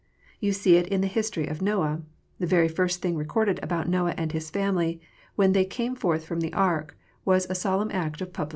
You see it in the history of Noah. The very first thing recorded about Noah and his family, when they came forth from the ark, was a solemn act of public worship.